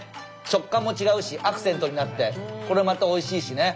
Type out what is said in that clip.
食感も違うしアクセントになってこれまたおいしいしね。